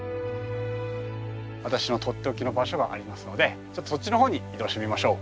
私のとっておきの場所がありますのでちょっとそっちの方に移動してみましょう。